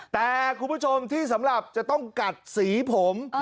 แต่คุณผู้ชมที่สำหรับจะต้องกัดสีผม